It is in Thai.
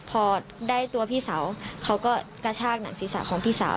พอได้ตัวพี่สาวเขาก็กระชากหนังศีรษะของพี่สาว